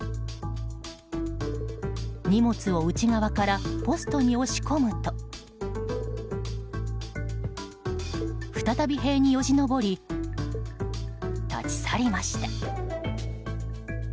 荷物を内側からポストに押し込むと再び塀によじ登り立ち去りました。